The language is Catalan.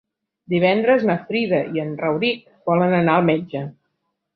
Divendres na Frida i en Rauric volen anar al metge.